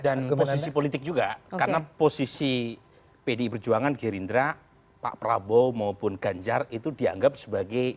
dan posisi politik juga karena posisi pdip berjuangan gerindra pak prabowo maupun ganjar itu dianggap sebagai